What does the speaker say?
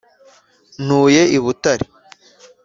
ntuye i butare.